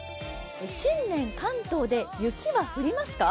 新年、関東で雪は降りますか？